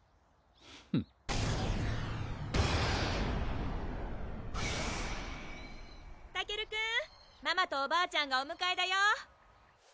フンたけるくんママとおばあちゃんがおむかえだよ！